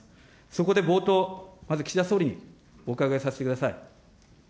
そこで冒頭、まず岸田総理にお伺いさせてください。